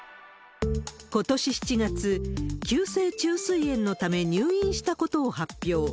ことし７月、急性虫垂炎のため入院したことを発表。